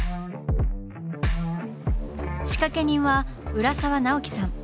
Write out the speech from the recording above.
仕掛け人は浦沢直樹さん。